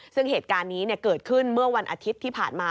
ซึ่งเหตุการณ์นี้เกิดขึ้นเมื่อวันอาทิตย์ที่ผ่านมา